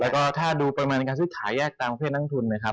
แล้วก็ถ้าดูปริมาณการซื้อขายแยกตามเพศนักทุนนะครับ